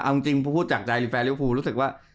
เอาจริงจริงพูดจากใจแฟล์ลิวภูรู้สึกว่า